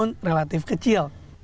meskipun relatif kecil